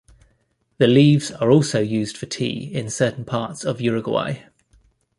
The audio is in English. The leaves are also used for tea in certain parts of Uruguay.